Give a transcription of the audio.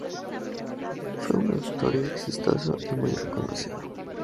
Fue un autor exitoso y muy reconocido.